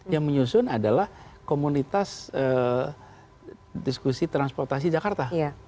yang menyusun adalah komunitas diskusi transportasi jakarta